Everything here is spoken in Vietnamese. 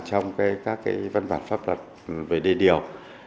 trong các văn bản pháp luật về đề điều